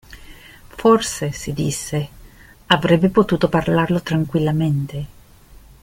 Forse, si disse, avrebbe potuto parlarlo tranquillamente.